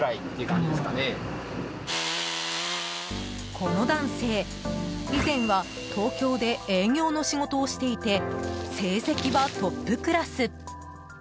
この男性、以前は東京で営業の仕事をしていて成績はトップクラス。